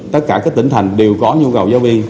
tất cả các tỉnh thành đều có nhu cầu giáo viên